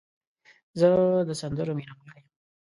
زه د سندرو مینه وال یم.